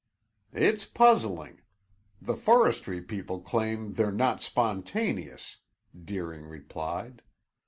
"It's puzzling. The forestry people claim they're not spontaneous," Deering replied.